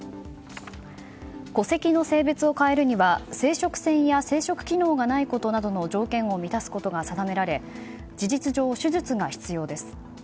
戸籍の性別を変えるには生殖腺や生殖機能がないことなどの条件を満たすことが定められ事実上、手術が必要です。